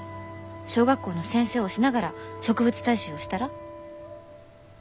小学校の先生をしながら植物採集をしたら？